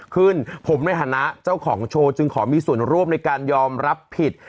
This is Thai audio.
ขึ้นผมในฐานะเจ้าของโชว์จึงขอมีส่วนร่วมในการยอมรับผิด